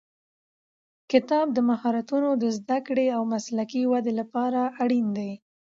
کتاب د مهارتونو د زده کړې او مسلکي ودې لپاره اړین دی.